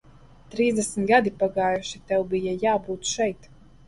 Trīsdesmit gadi pagājuši, tev bija jābūt šeit.